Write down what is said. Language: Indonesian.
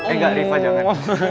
eh enggak riva jangan